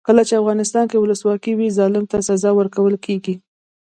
کله چې افغانستان کې ولسواکي وي ظالم ته سزا ورکول کیږي.